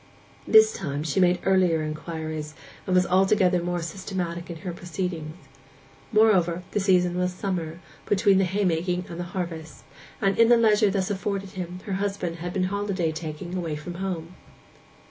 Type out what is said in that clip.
This time she made earlier inquiries, and was altogether more systematic in her proceedings. Moreover, the season was summer, between the haymaking and the harvest, and in the leisure thus afforded him her husband had been holiday taking away from home.